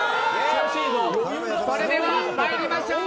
それでは、参りましょう。